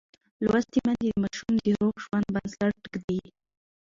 لوستې میندې د ماشوم د روغ ژوند بنسټ ږدي.